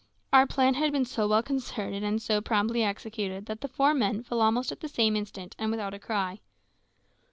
Our plan had been so well concerted and so promptly executed that the four men fell almost at the same instant, and without a cry.